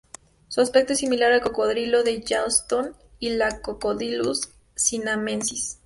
Su aspecto es similar al cocodrilo de Johnston y al "Crocodylus siamensis".